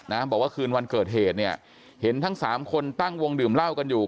บอกว่าคืนวันเกิดเหตุเนี่ยเห็นทั้งสามคนตั้งวงดื่มเหล้ากันอยู่